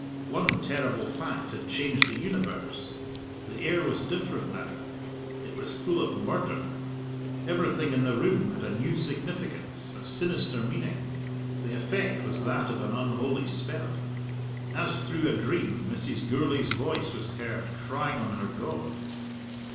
One terrible fact had changed the Universe. The air was different now it was full of murder. Everything in the room had a new significance, a sinister meaning. The effect was that of an unholy spell. As through a dream Mrs. Gourlay's voice was heard crying on her God.